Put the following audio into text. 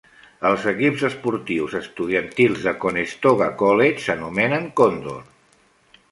Els equips esportius estudiantils de Conestoga College s'anomenen "Condor".